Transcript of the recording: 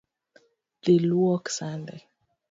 Dhi luok sande